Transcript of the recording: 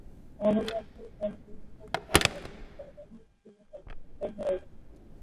Carbon dioxide জলে দ্রবীভূত অবস্থায় কার্বনেট ও বাইকার্বনেট হিসেবেও থাকে।